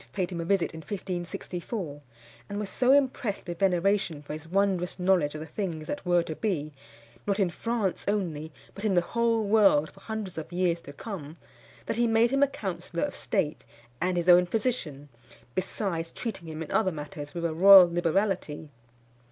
paid him a visit in 1564; and was so impressed with veneration for his wondrous knowledge of the things that were to be, not in France only, but in the whole world for hundreds of years to come, that he made him a counsellor of state and his own physician, besides treating him in other matters with a royal liberality.